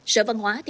sở văn hóa thể thao